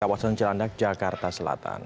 kawasan cilandak jakarta selatan